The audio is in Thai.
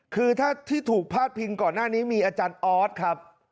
คือถ้าที่ถูกพาดพิงก่อนหน้านี้มีอาจารย์ออสครับ